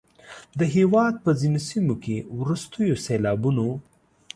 د هیواد په ځینو سیمو کې وروستیو سیلابونو